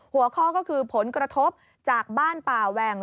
หัวข้อก็คือผลกระทบจากบ้านป่าแหว่ง